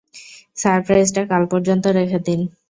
সারপ্রাইজটা কাল পর্যন্ত রেখে দিন।